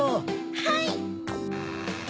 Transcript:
はい！